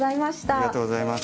ありがとうございます。